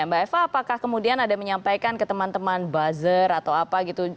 mbak eva apakah kemudian ada yang menyampaikan ke teman teman buzzer atau apa gitu